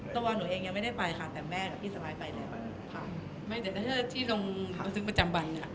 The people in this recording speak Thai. ตัวว่าหนูเองยังไม่ได้ไปค่ะแต่แม่กับพี่สมัยไปแล้วค่ะไม่แต่เจ้าหน้าที่ลงประจำวันอ่ะ